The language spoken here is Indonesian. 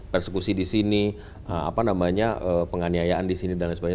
persekusi di sini penganiayaan di sini dan lain sebagainya